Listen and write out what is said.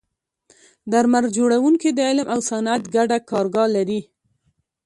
درمل جوړونکي د علم او صنعت ګډه کارګاه لري.